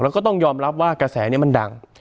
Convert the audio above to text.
แล้วก็ต้องยอมรับว่ากระแสนี้มันดัง